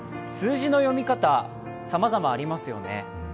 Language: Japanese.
数字の読み方、さまざまありますよね。